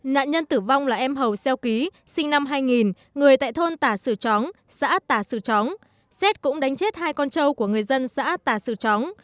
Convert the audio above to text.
nạn nhân tử vong là em hầu xeo ký sinh năm hai nghìn người tại thôn tà sử tróng xã tà sử tróng xét cũng đánh chết hai con trâu của người dân xã tà sử tróng